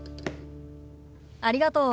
ありがとう。